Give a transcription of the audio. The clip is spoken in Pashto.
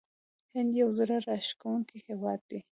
هند یو زړه راښکونکی هیواد دی.